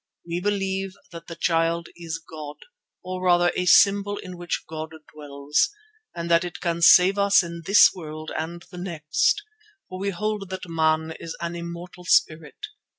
We believe that the Child is God, or rather a symbol in which God dwells, and that it can save us in this world and the next, for we hold that man is an immortal spirit.